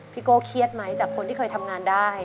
โก้เครียดไหมจากคนที่เคยทำงานได้